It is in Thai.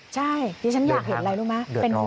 ใช่ดิฉันอยากเห็นอะไรรู้ไหม